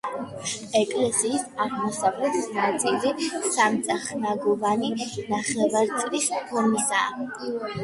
ეკლესიის აღმოსავლეთ ნაწილი სამწახნაგოვანი ნახევარწრის ფორმისაა.